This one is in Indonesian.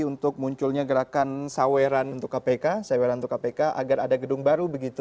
untuk munculnya gerakan saweran untuk kpk agar ada gedung baru begitu